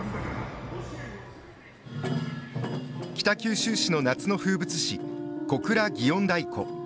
北九州市の夏の風物詩小倉祇園太鼓。